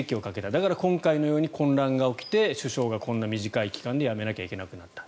だから、今回のように混乱が起きて首相がこんな短い期間で辞めなきゃいけなくなった。